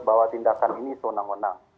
bahwa tindakan ini sewenang wenang